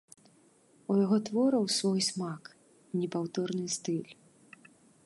У яго твораў свой смак, непаўторны стыль.